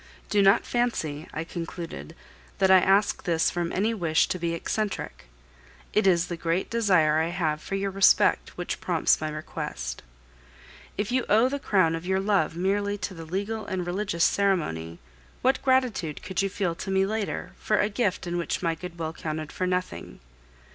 "Do not fancy," I concluded, "that I ask this from any wish to be eccentric. It is the great desire I have for your respect which prompts my request. If you owe the crown of your love merely to the legal and religious ceremony, what gratitude could you feel to me later for a gift in which my goodwill counted for nothing?